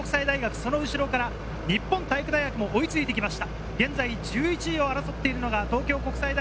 その後ろから日本体育大学が追いついてきました。